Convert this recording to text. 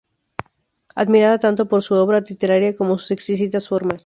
Admirada tanto por su obra literaria como por sus exquisitas formas.